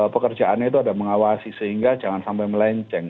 pekerjaannya itu ada mengawasi sehingga jangan sampai melenceng